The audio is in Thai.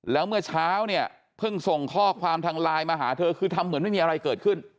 แล้วเมื่อเช้าเนี่ยเพิ่งส่งข้อความทางไลน์มาหาเธอคือทำเหมือนไม่มีอะไรเกิดขึ้น